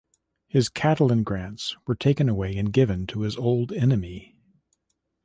His Catalan grants were taken away and given to his old enemy.